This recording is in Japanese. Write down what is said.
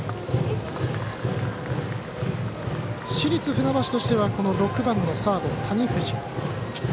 市立船橋としては６番のサード谷藤。